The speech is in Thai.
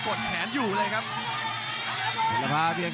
โอ้โหโอ้โห